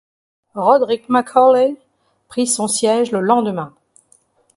Roderick MacAulay prit son siège, le lendemain.